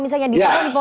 dan jangan pernah ragu